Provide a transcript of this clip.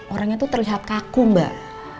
orangnya tuh terlihat kaku mbak